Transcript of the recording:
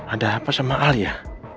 ada apa sama al ya